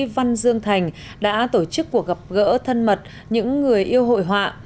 văn dương thành đã tổ chức cuộc gặp gỡ thân mật những người yêu hội họa